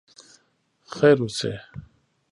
خیر اوسې.